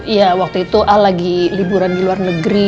iya waktu itu ah lagi liburan di luar negeri